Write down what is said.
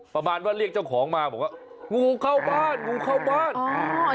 ประมาณว่าเรียกเจ้าของมาบอกว่างูเข้าบ้านงูเข้าบ้านอ่า